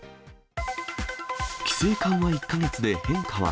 規制緩和１か月で変化は？